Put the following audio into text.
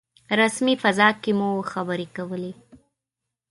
رسمي فضا کې مو خبرې کولې.